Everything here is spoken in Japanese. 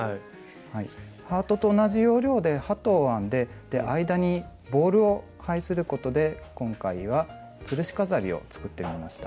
ハートと同じ要領で鳩を編んで間にボールを配することで今回はつるし飾りを作ってみました。